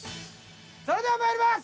それではまいります！